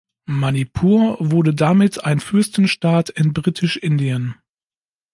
Manipur wurde damit ein Fürstenstaat in Britisch-Indien.